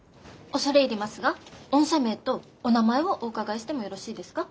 恐れ入りますが御社名とお名前をお伺いしてもよろしいですか？